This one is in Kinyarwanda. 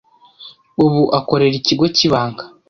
ubu akorera ikigo cyibanga.